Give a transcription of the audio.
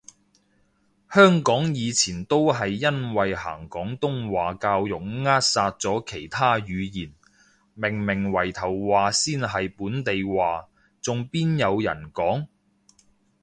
香港以前都係因為行廣東話教育扼殺咗其他語言，明明圍頭話先係本地話，仲邊有人講？